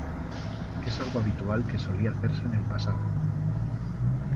Es algo habitual que solía hacerse en el pasado.